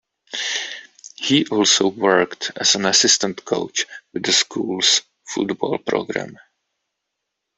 He also worked as an assistant coach with the school's football program.